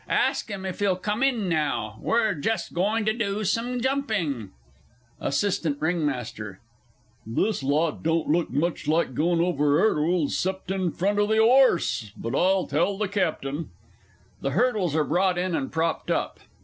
Ask him if he'll come in now we're just going to do some jumping. ASSIST. R. M. This lot don't look much like going over 'urdles 'cept in front o' the 'orse, but I'll tell the Captain. [_The hurdles are brought in and propped up.